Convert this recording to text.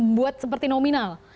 yang membuat seperti nominal